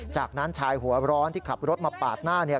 จากนั้นชายหัวร้อนที่ขับรถมาปาดหน้าเนี่ย